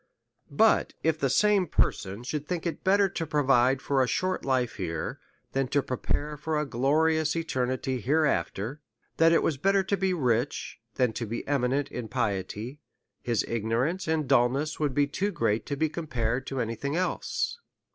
But if the same person should think it better to provide for a short life here, than to prepare for a glorious eternity hereafter, that it was better to be rich than to be eminent in piety, his ignorance and dulness would be too great to be compared to any thing else.